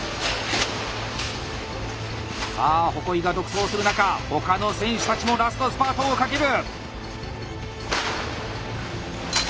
さあ鉾井が独走する中他の選手たちもラストスパートをかける！